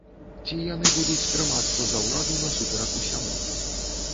Ці яны будуць трымацца за ўладу насуперак усяму?